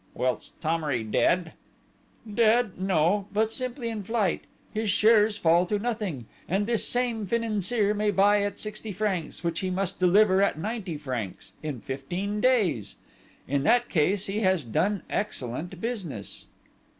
"Whilst Thomery dead ..." "Dead no! But simply in flight, his shares fall to nothing, and this same financier may buy at sixty francs which he must deliver at ninety francs in fifteen days. In that case he has done excellent business."